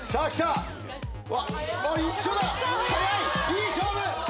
いい勝負！